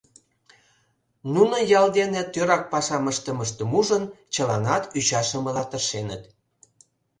Нунын ял дене тӧрак пашам ыштымыштым ужын, чыланат ӱчашымыла тыршеныт.